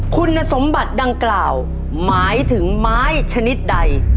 คุณสมบัติดังกล่าวหมายถึงไม้ชนิดใด